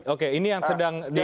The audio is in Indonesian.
oke ini yang sedang di